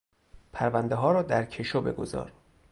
پروندهها را در کشو بگذار.